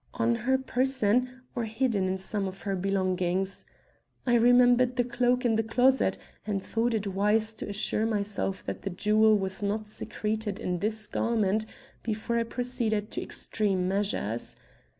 On her person or hidden in some of her belongings? I remembered the cloak in the closet and thought it wise to assure myself that the jewel was not secreted in this garment, before I proceeded to extreme measures.